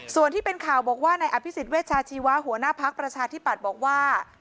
ส่วนที่เป็นข่าวบอกว่าในอภิษฎเวชาชีวะหัวหน้าพักประชาธิปัตย์บอกว่า